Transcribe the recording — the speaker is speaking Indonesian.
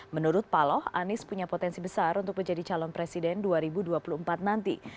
menurut paloh anies punya potensi besar untuk menjadi calon presiden dua ribu dua puluh empat nanti